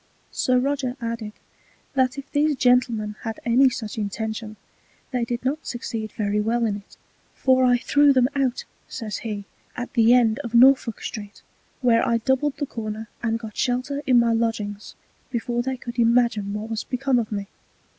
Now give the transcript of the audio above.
Sir Roger added, that if these gentlemen had any such Intention, they did not succeed very well in it: for I threw them out, says he, at the End of Norfolk street, where I doubled the Corner, and got shelter in my Lodgings before they could imagine what was become of me.